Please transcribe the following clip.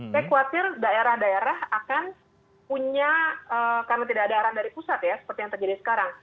saya khawatir daerah daerah akan punya karena tidak ada arahan dari pusat ya seperti yang terjadi sekarang